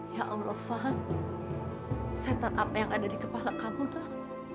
ya allah fahad set up apa yang ada di kepala kamu dah